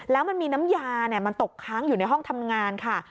แล้วมันมีน้ำยามันตกค้างอยู่ในห้องทำงานค่ะ